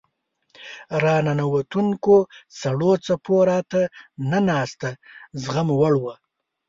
راننوتونکو سړو څپو راته نه ناسته زغموړ وه.